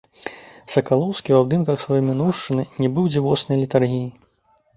Сакалоўскі ў абдымках сваёй мінуўшчыны, нібы ў дзівоснай летаргіі.